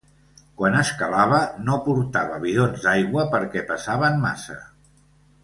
Quan escalava, no portava bidons d'aigua perquè pesaven massa.